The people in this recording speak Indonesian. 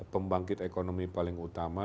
pembangkit ekonomi paling utama